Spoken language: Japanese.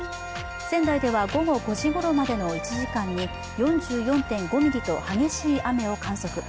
仙台では午後５時ごろまでの１時間に４４．５ミリと激しい雨を観測。